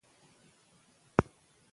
باران د افغانانو د ژوند په کیفیت تاثیر کوي.